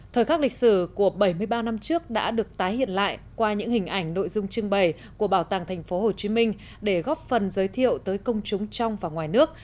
thời khắc lịch sử của bảy mươi ba năm trước đã được tái hiện lại qua những hình ảnh nội dung trưng bày của bảo tàng tp hcm để góp phần giới thiệu tới công chúng trong và ngoài nước